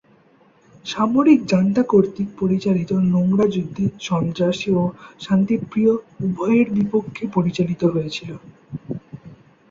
সামরিক জান্তা কর্তৃক পরিচালিত নোংরা যুদ্ধে সন্ত্রাসী ও শান্তিপ্রিয় উভয়ের বিপক্ষে পরিচালিত হয়েছিল।